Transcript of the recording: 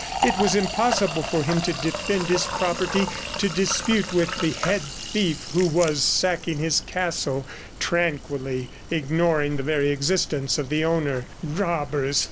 It was impossible for him to defend his property, to dispute with the head thief who was sacking his castle, tranquilly ignoring the very existence of the owner. "Robbers!